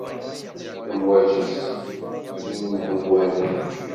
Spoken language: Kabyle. Lemwaǧi-s yenhewwalen.